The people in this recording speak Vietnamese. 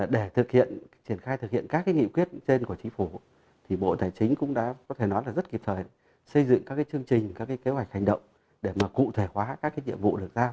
để triển khai thực hiện các nghị quyết trên của chính phủ bộ tài chính cũng đã rất kịp thời xây dựng các chương trình các kế hoạch hành động để cụ thể hóa các nhiệm vụ được ra